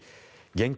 現金